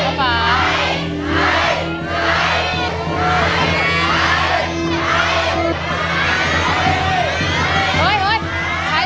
เฮ้ยใช้หรือไม่ใช้